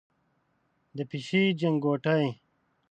د پیشۍ چنګوټی،